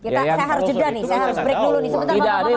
saya harus beritahu dulu